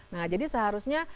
nah jadi seharusnya